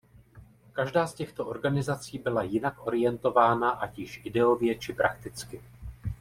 Každá z těchto organizací byla jinak orientována ať již ideově či prakticky.